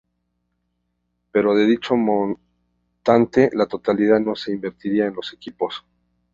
Pero de dicho montante la totalidad no se invertía en los equipos.